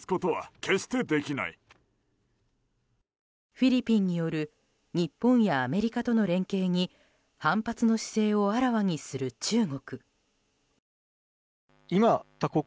フィリピンによる日本やアメリカとの連携に反発の姿勢をあらわにする中国。